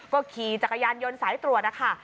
ก็ขี่จักรยานยนต์สายตรวจนะคะ